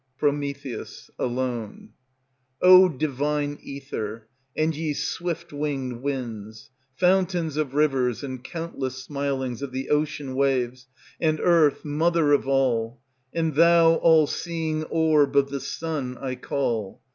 PROMETHEUS, alone. O divine ether, and ye swift winged winds, Fountains of rivers, and countless smilings Of the ocean waves, and earth, mother of all, And thou all seeing orb of the sun I call.